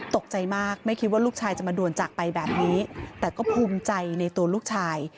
ตกใจมากไม่คิดว่าลูกชายจะมาด่วนจากไปแบบนี้แต่ก็ภูมิใจในตัวลูกชาย